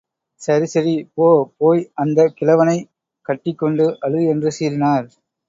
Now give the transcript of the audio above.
சரி சரி போ போய் அந்தக் கிழவனைக் கட்டிக் கொண்டு அழு என்று சீறினார்.